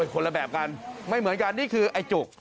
คนละแบบกันไม่เหมือนกันนี่คือไอ้จุก